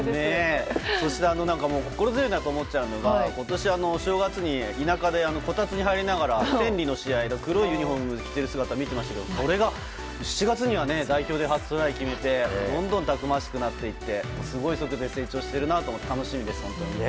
そして、心強いなと思っちゃうのは今年お正月に田舎でこたつに入りながら天理の試合黒いユニホームを着ている姿を見ていましたがそれが７月には代表で初トライを決めてどんどんたくましくなっていってすごい速度で成長しているので楽しみです、本当に。